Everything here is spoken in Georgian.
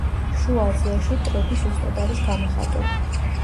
შუა აზიაში ტროგი სუსტად არის გამოხატული.